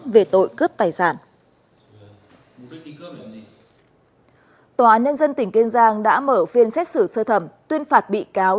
về tội cướp tài sản tòa án nhân dân tỉnh kiên giang đã mở phiên xét xử sơ thẩm tuyên phạt bị cáo